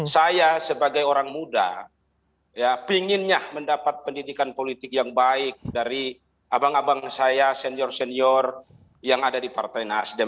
saya sebagai orang muda pinginnya mendapat pendidikan politik yang baik dari abang abang saya senior senior yang ada di partai nasdem